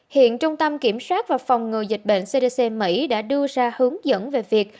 hiện trung tâm kiểm soát và phòng ngừa dịch bệnh cdc mỹ đã đưa ra hướng dẫn về việc